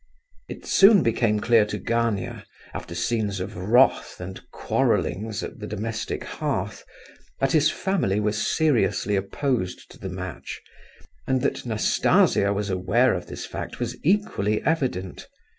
It soon became clear to Gania, after scenes of wrath and quarrellings at the domestic hearth, that his family were seriously opposed to the match, and that Nastasia was aware of this fact was equally evident.